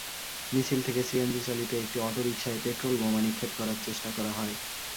মিছিল থেকে সিএনজিচালিত একটি অটোরিকশায় পেট্রলবোমা নিক্ষেপ করার চেষ্টা করা হয়।